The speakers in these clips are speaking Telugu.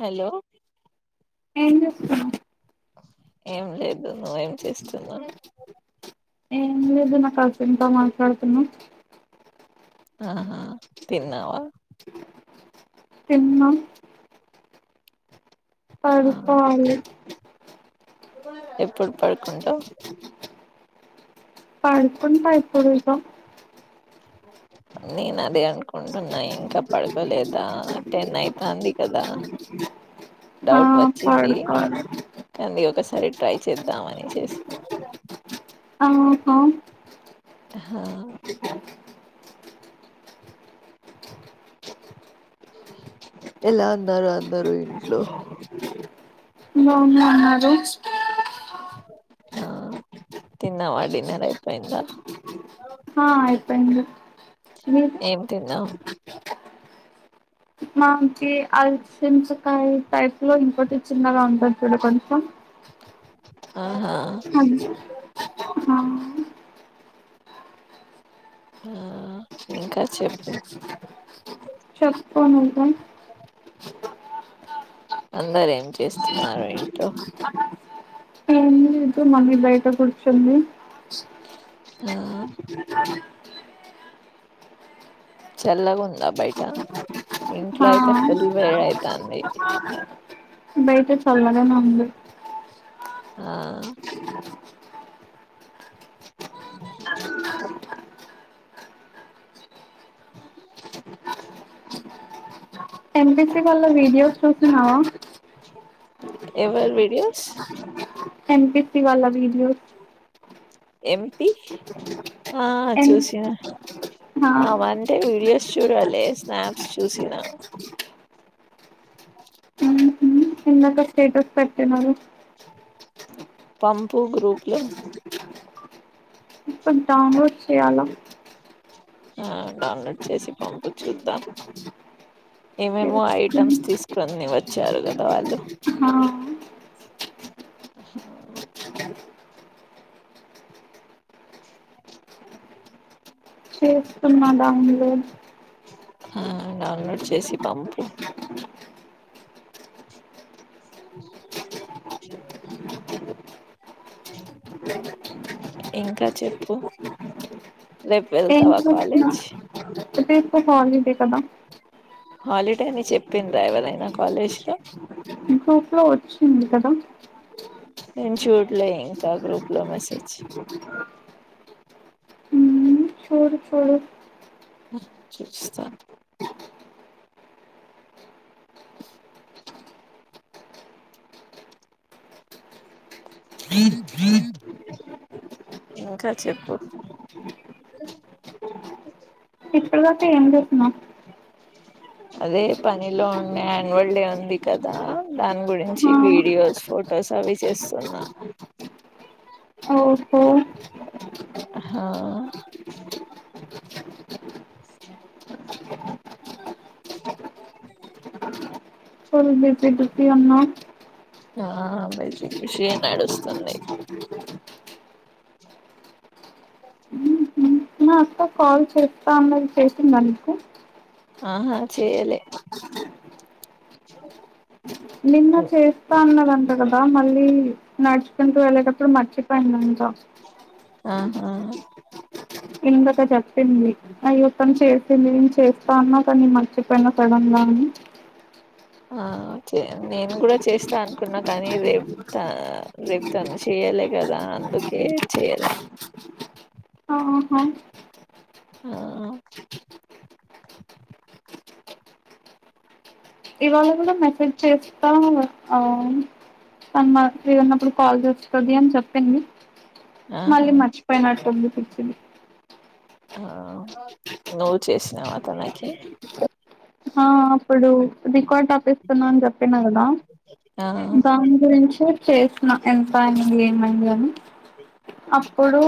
హలో ఏం చేస్తున్నావ్ ఏం లేదు నువ్ ఏం చేస్తున్నావ్ ఏం లేదు నా కజిన్ తో మాట్లాడుతున్నా ఆహా తిన్నావా తిన్న ఆ అడుపాలి ఎప్పుడు పడుకుంటా పైకుం పైకుడు ఇద నేను అదే అనుకుంటున్నా ఇంకా పడుకోలేదా అంటే నైతాంది కదా ఆ డౌట్ వచ్చింది పడుకోవాలి కానీ ఒకసారి సరే ట్రై చేద్దామని చేసిన అహ హా ఎలా అన్నారు అన్నారురు ఇంట్లో లోన్నా అన్నారు ఆ తిన్నావాడిన్నర అయిపోయిందా ఆా ఆయి పంజ ఏం తన్నా మాకి అల్సిమ్సకాయ టైప్ లో ఇంకోటి చిన్నగా ఉంటుంది చడ కొంచెం ఆహా అ ఆ ఇంకా చెప్పు పనంటం అందర ఏం చేస్తున్నారు ఇట్లో మది బయట కు ఆ చల్లగా ఉందా బయట ఇంట్లో ఆ యితే ఫుల్ బే అయితే తడి బయట చల్దానే ఉంది ఆ అ [inaudible] ఎంబిసి వల్ల వీడియోస్ చూసన్నావా ఎవరు వీడియోస్ హంపితి వాా వడియో ఎంటి ఆ ఎం చూస హా ఆవే వీడియో చూడాలి స్నాప్స్ చూసినా [inaudible] చిన్నక స్టేటస్ పెట్టినారు పంపు గ్రూప్లో ఇప్పుడు డౌన్లోడ్ చేయాలా ఆ డౌన్లోడ్ చేసి పంపు చూద్దాం ఏమేమో ఐటమ్స్ తీసుకొని వచ్చారు కదా వాళ్ళు హా సున్నా డౌన్లోడ్ ఆ డౌన్లోడ్ చేసి పంపు ఇంకా చెప్పు రేపు వెళ్తావా ఏంటి ప్రశ్న కాలేజ్ ఎటో హాలిడే కదా హాలిడే అని చెప్పిందా ఎవరైనా కాలేజ్ లో మీ గ్రూప్ లో వచ్చింది కదా నేను చూట్లే ఇంకా గ్రూప్లా మెసేజ్ ఉమ్ [unintelligible] చూడు ఆగ్ చూస్తా ఇంకా చెప్పు ఇప్పుడు దాకా ఏం జేస్తున్నావ్ అదే పనిలో ఉండే యాన్యువల్ డే ఉంది కదా, దాని గురించి ఆ వీడియోస్ ఫొటోస్ అవి చేస్తున్నా ఓహో అహా ఫుల్ బిజీ బిజీ ఉన్నవ్ ఆ అ మై విషయం నడుస్తుంది. నా అక్క కాల్ చేస్తా అన్నది, చేసిందా నీకు అహా చేయలే నిన్న చేస్తా అన్నదంట కదా మర్ మళ్ళీ నడ్చుకుంటూ వెళ్లేటప్పుడు మర్చిపోయింది. ఇంకా ఆహాహ ఇందాక చెప్ ప్పింది అయ్యో ఒప్పం చేస్ అంటే నేను చేస్తా ఆన్నా కానీ మర్చిపోయిన సడన్ లా అని ఆ నేను కూడా చేస్తా అనుకున్నా కానీ రేపుతా రేపుతాను చేయాల కదా అందుకే చేయాల ఆహ ఆ ఇవాళ కూడా మెసేజ్ చేస్తా ఆన్ తన్నా, ఫ్రీగ ఉన్నపుడు కాల్ చేస్తాది అని చెప్పింది. ఆహా మళ్ళీ మర్చిపోయినట్టుంది. పిచ్చిది ఆ నువ్వు చేసినావు అతనకి ఆ అప్పుడు రికార్డ్ తప్పిస్తున్నా అని చెప్పిన కదా ఆ దాని గురించి చేస్తున్నా ఎంత అన ఏమైందని అప్పుడు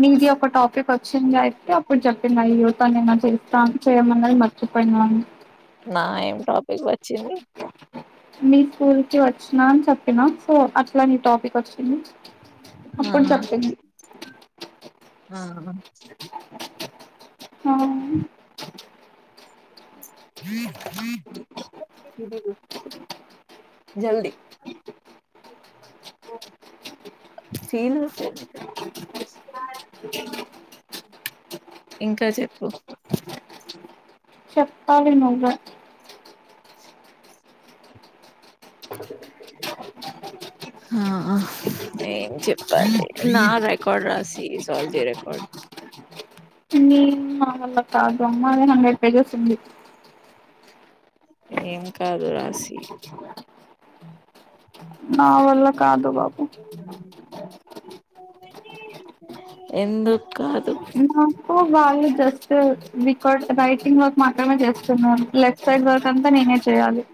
మీది ఒక టాపిక్ వచ్చింది అయితే అప్పుడు చెప్పింది అయ్యో నను చేస్తాను చేయమన్నది మ చెప్పండి వాని నా ఏం టాపిక్ వచ్చింది మీ స్కూల్ కి వచ్చినా అని చెప్పినా సో అట్లా నీ టాపిక్ వచ్చి మ్మ్ అప్పుడు ఆహా చెప్పింది ఆ ఆ [unintelligible] జల్ది సీనసెనక కాాల మ ఆ ఆ ఏం చెప్పాలి నా రెకార్డ్ రాసి సాల్ చేయ్ రికార్డ్ అల్ల కాదు అమ్మ నే నమ్మేది ఫ్రై జేస్సుంది ఏం కాదు రాశి నా వల్ల కాదు బాబు ఎందుక్కాదు నాకు బాగా జస్ట్ రికార్డ్ రైటింగ్ వర్క్ మాత్రమే చేస్తున్నాం లెఫ్ట్ సైడ్ వర్క్ అంతా నేనే చేయాలి.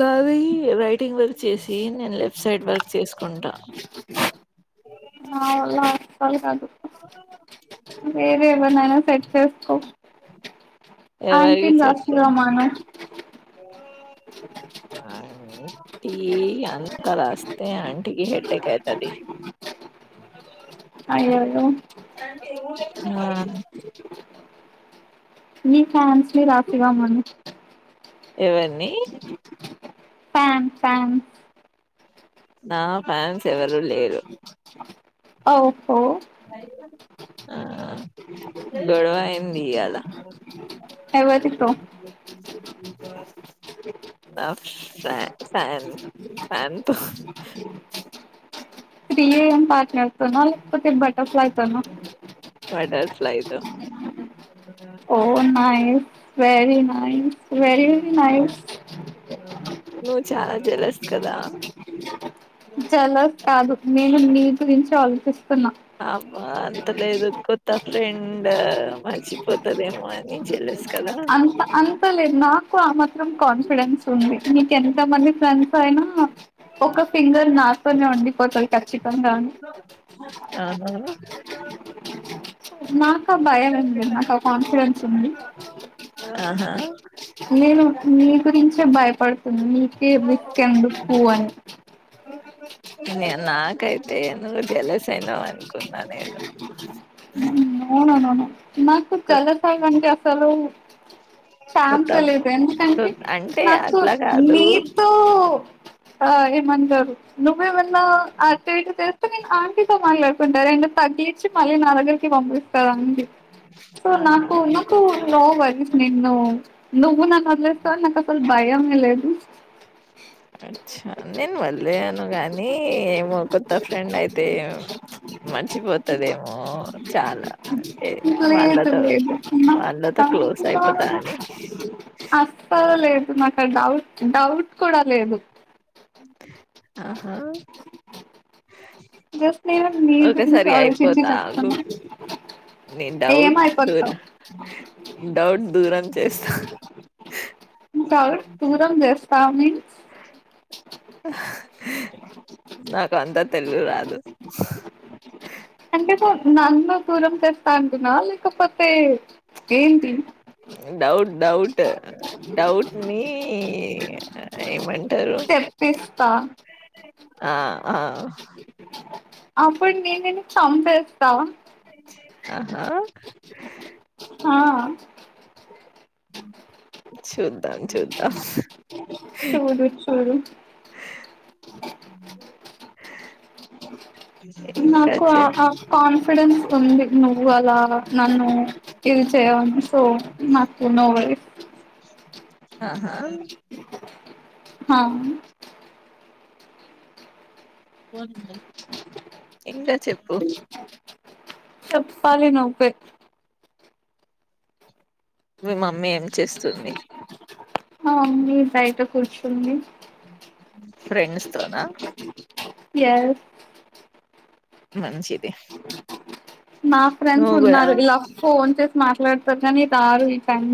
నాది రైటింగ్ వర్క్ చేసి నేను లెఫ్ట్ సైడ్ వర్క్ చేసుకుంటా సాల్ కాదు వేరే ఎవరినైనా సెట్ చేస్కో ఆంటీన్ రాస్క్ రామను అ ఆంటీ అంత రాస్తే ఆంటీకి హెడ్డేక్ అయితాది. అయ్యయ్యో ఏమోలె ఆ మీ ఫ్యాన్స్ ని రాసివ్వ మను ఎవర్నీ ఫ్యాన్ ఫ్యాన్ నా ఫ్యాన్స్ ఎవరూ లేరు ఓ అ ఆ గొడవ అయ్యింది ఇయ్యాల ఎవ్వరితిక్కు ఆ ఫ్యాన్ ఫ్యాన్ ఫ్యాన్ తో సీ ఎం పాట్నర్ త్ నా లేకపోతే బటర్ ప్లై తోనా బటర్ ఫ్లై తో ఓ nice very nice very nice నువ్వు చాలా జలస్ కదా జలస్ కాదు నేను నీ ది చాల ఉున్నా అంతలేదు కొత్త ఫ్రెండ్ మర్చిపోతదేమో అని చెలేస్తా అంత అంతలే నాకు ఆ మత్ కాన్ఫిడెన్స్ ఉంది మీక ఎంత మంది స అయినా ఒక ఫింగర్ నాతోనే వండిపోతుంది ఖచ్చితంగానీ ఆ అ నాకు ఆ భయం ఉంది నాకు కాన్ఫిడెన్స్ ఉంది ఆహా నేను మీ గురించే భయపడుతున్నా నీక వి కం పోవను నే నాకైతే నువ్వు జలస్ అయినావ అనుకున్నా నను అవుననను నాకు చలసాగండి అసలు కొత్త సాాన్ంత లేదు కొ ఎందుకంటే అంటే నాకు అట్లా కాదు మీతో ఆ ఏమంటారు నువ్్వ ఏమన్నా ఆయాక్టివిటీ చేస్తే నేను ఆంటీతో మాట్లాడుకుంటారు అం తగ్గిచ్చి మళ్ళీ నా దగ్గరికి పంపి అడి సో ఆహా నాకు ఉందుకు నో వని నేను నువు నా మసలు బయ అంగలేదు అచ్చా నేను మళ్లేను గాని ఏమో కొత్త ఫ్రెండ్ అయితే మర్చిపోతుదేమో చాలా అంటే తెదు వాళ్ళతో లే వాళ్ళతో క్లోజ్ అయిపోతా అని ఆస లేదు నాకు డౌట్ డౌట్ కూడా లేదు ఆహా జస్ట్ నేను మీ గురించి ఒకసారి ఆలోచించి అయిపోతా ఆగు చెప్తున్నా నీ ఏమ డౌట్ దూర అయిపోతావు డౌట్ దూరం చేస్తా ఇంకాట్ దూరం చేస్తాని నాకు అంతా తెలి అ అంటే నన్ను దూరం తెస్తాంటిన లేకపోతే ఏంటి డౌట్ డౌట్ డౌట్ ని ఏమంటారు తెప్పిస్తా ఆ ఆ ప నే నేను సబత ఆహా ఆ [inaudible] చూద్దాం చూడు చూడు ఇంకా నాకు చె ఆ కాన్ఫిడెన్స్ ఉంది నువ్వు అలా నన్ను ఇది చేయాలి సో నాకు నో వేఫ్ ఆహా హా ఇంకా చెప్పు చెప్పాలి నువ్వే మీ మమ్మీ ఏం చేస్తుంది మ మమ్మి బయట కూర్చుంది ఫ్రెండ్స్ తోనా ఎస్ మంచిది నా ఫ్రెండ్స్ నువ్వు కూడా ఉన్నారు ఇలా ఫోన్ చేసి మాట్లాడతారు కానీ టారు ఈ టైం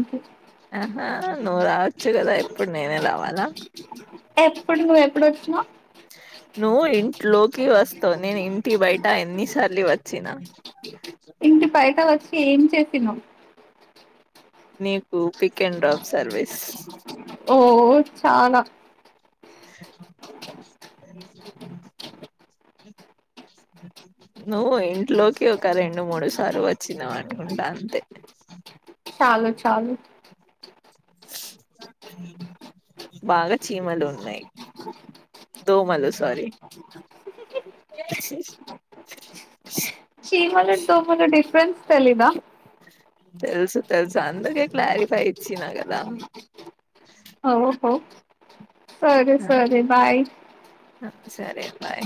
ఆహా అలా ఎప్పుడు నువ్వు ఎప్పుడు వచ్చినవ్ నువ్వు ఇంట్లో కి వస్తావ్ నేను ఇంటి బయట ఎన్ని సా ర్లీ వచ్చిన ఇంటి బయట వ చ్చి ఏం చేసినవ్ నీకు పిక్ అండ్ డ్రాప్ సర్వీస్ ఓ చానా నువ్వు ఇంట్లోకి ఒక రెండు మూడు సార్ వచ్చినావు అనుకుంటా అంతే చాలు చాలు బాగా చీమలు ఉన్నాయి దోమలు సారీ చీమలుకు దోమలుకు డిఫరెన్స్ తెలియదా తెలుసు తెలుసు అందుకే క్లారిఫై ఇచ్చినా కదా అఓహ సరే ఆ, సరే బాయ్ ఆ, సరే బాయ్